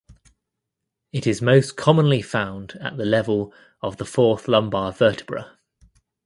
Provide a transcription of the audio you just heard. It is most commonly found at the level of the fourth lumbar vertebra.